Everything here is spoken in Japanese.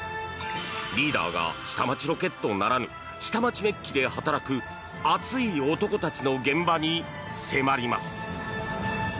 リーダーが「下町ロケット」ならぬ下町メッキで働く熱い男たちの現場に迫ります。